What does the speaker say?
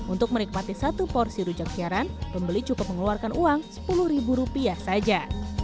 untuk menikmati satu porsi rujak siaran pembeli cukup mengeluarkan uang sepuluh ribu rupiah saja